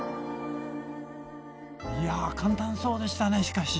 いや簡単そうでしたねしかし。